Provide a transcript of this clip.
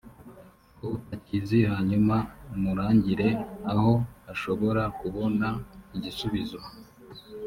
ko utakizi hanyuma umurangire aho ashobora kubona igisubizo